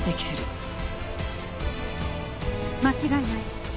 間違いない。